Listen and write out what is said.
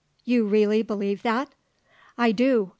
"You really believe that?" "I do.